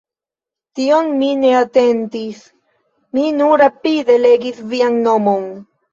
Tion mi ne atentis, mi nur rapide legis vian nomon.